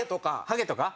ハゲとか？